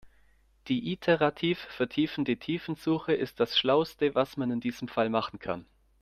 Die iterativ vertiefende Tiefensuche ist das schlauste, was man in diesem Fall machen kann.